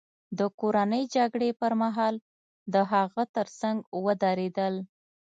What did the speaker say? د کورنۍ جګړې پرمهال د هغه ترڅنګ ودرېدل.